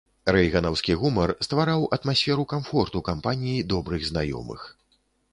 Рэйганаўскі гумар ствараў атмасферу камфорту кампаніі добрых знаёмых.